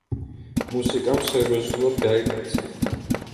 მუსიკამ სერიოზულად გაიტაცა.